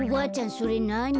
それなに？